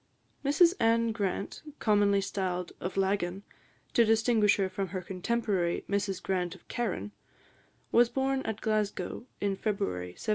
Mrs Anne Grant, commonly styled of Laggan, to distinguish her from her contemporary, Mrs Grant of Carron, was born at Glasgow, in February 1755.